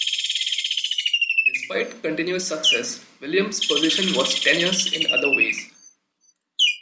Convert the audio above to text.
Despite continuous success, Williams' position was tenuous in other ways.